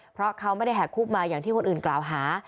เพราะเขาไม่ได้แหกคุกมาอย่างที่คนอื่นกล่าวหา